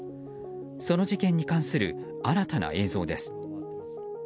その事件に関する新たな映像です。